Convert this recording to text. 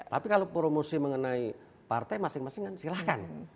tapi kalau promosi mengenai partai masing masing kan silahkan